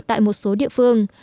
tại một số địa phương